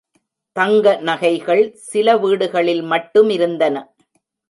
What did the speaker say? தங்க நகைகள் சில வீடுகளில் மட்டுமிருந்தன.